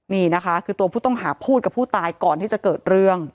นี่นะคะคือตัวผู้ต้องหาพูดกับผู้ตายก่อนที่จะเกิดเรื่อง